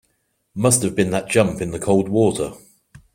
Must have been that jump in the cold water.